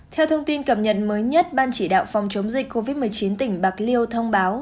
theo thông tin cập nhật mới nhất ban chỉ đạo phòng chống dịch covid một mươi chín tỉnh bạc liêu thông báo